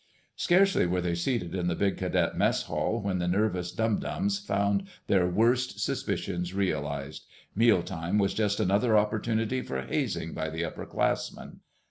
Scarcely were they seated in the big cadet mess hall, when the nervous dum dums found their worst suspicions realized. Mealtime was just another opportunity for hazing by the upperclassmen.